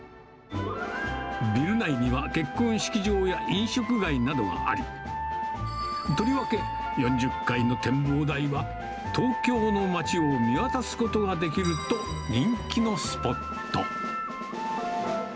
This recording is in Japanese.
ビル内には、結婚式場や飲食街などがあり、とりわけ、４０階の展望台は、東京の街を見渡すことができると、人気のスポット。